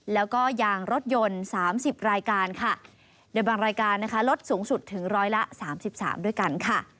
แล้วก็ยางรถยนต์๓๐รายการในบางรายการลดสูงสุดถึง๑๐๐ละ๓๓ด้วยกัน